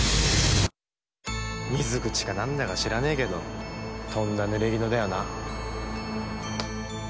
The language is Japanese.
水口か何だか知らねえけどとんだぬれぎぬだよな。